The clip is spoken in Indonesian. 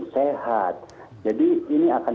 sehat jadi ini akan